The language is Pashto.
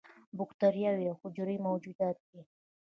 بکتریاوې یو حجروي موجودات دي